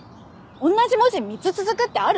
同じ文字３つ続くってある？